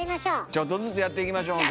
ちょっとずつやっていきましょう。